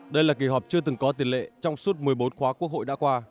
đây là kỳ họp chưa từng có tiền lệ trong suốt một mươi bốn khóa quốc hội đã qua